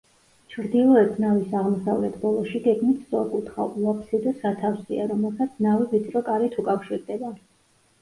ჩრდილოეთ ნავის აღმოსავლეთ ბოლოში გეგმით სწორკუთხა, უაფსიდო სათავსია, რომელსაც ნავი ვიწრო კარით უკავშირდება.